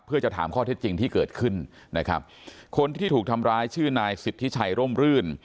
เพื่อจะถามข้อเท็จจริงที่เกิดขึ้นนะครับคนที่ที่ถูกทำร้ายชื่อนายสิทธิชัยร่มรื่น